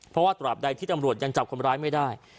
เพราะว่าตราบใดที่ตำรวจยังจับคนร้ายไม่ได้